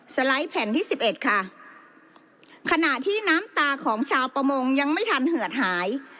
ไลด์แผ่นที่สิบเอ็ดค่ะขณะที่น้ำตาของชาวประมงยังไม่ทันเหือดหาย